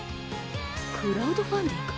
クラウドファンディング？